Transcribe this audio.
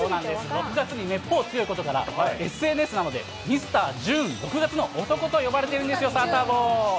６月にめっぽう強いことから、ＳＮＳなどで、ミスタージューン、６月の男と呼ばれているんですよ、サタボー。